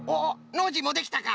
ノージーもできたか！